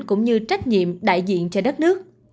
cũng như trách nhiệm đại diện cho đất nước